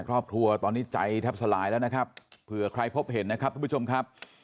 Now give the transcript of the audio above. ครอบครัวตอนนี้ใจแทบสลายแล้วนะครับเผื่อใครพบเห็นนะครับทุกผู้ชมครับ